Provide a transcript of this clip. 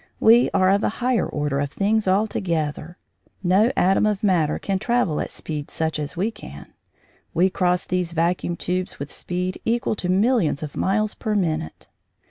We are of a higher order of things altogether. No atom of matter can travel at speeds such as we can. We cross these vacuum tubes with speeds equal to millions of miles per minute.